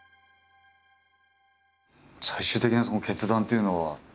最終的なその決断っていうのは？